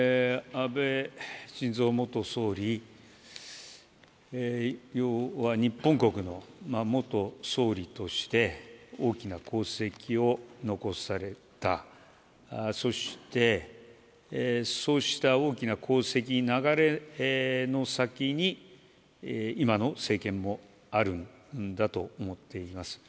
安倍晋三元総理、要は日本国の元総理として、大きな功績を残された、そしてそうした大きな功績、流れの先に今の政権もあるんだと思っています。